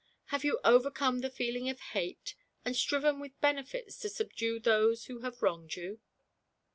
Have you overcome the feeling of Hate, and striven with Benefits to subdue those who have wronged you?